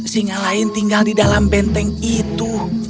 singa lain tinggal di dalam benteng itu